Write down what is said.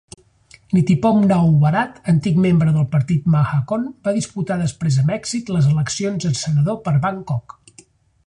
Nitiphoom Naowarat, antic membre del partit Mahachon, va disputar després amb èxit les eleccions a senador per Bangkok.